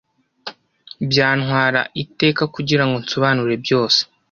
Byantwara iteka kugirango nsobanure byose.